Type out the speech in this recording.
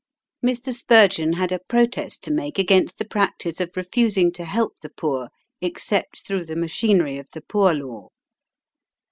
Mr. Spurgeon had a protest to make against the practice of refusing to help the poor except through the machinery of the Poor Law.